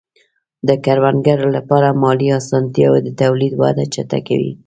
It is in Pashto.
د کروندګرو لپاره مالي آسانتیاوې د تولید وده چټکوي.